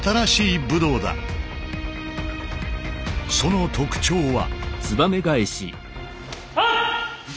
その特徴は。